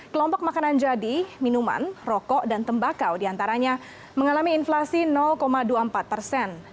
kelompok makanan jadi minuman rokok dan tembakau diantaranya mengalami inflasi dua puluh empat persen